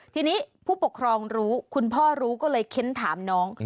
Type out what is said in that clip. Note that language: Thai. ทีนี้ผู้ปกครองรู้คุณพ่อรู้ก็เลยเค้นถามน้อง